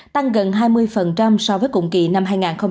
tăng gần hai mươi so với cùng kỳ năm hai nghìn một mươi tám